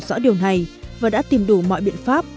rõ điều này và đã tìm đủ mọi biện pháp